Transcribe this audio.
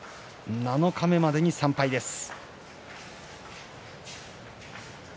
七日目までに３敗です。